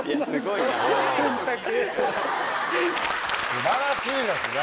素晴らしいですね。